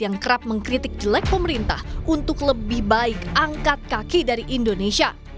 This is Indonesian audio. yang kerap mengkritik jelek pemerintah untuk lebih baik angkat kaki dari indonesia